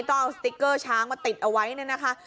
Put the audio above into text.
ก็เอาสติ๊กเกอร์ช้างมาติดเอาไว้เนี่ยนะคะ